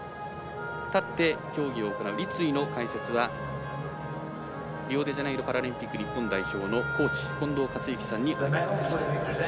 立って競技を行う立位の解説はリオデジャネイロパラリンピック日本代表のコーチ近藤克之さんにお願いしてきました。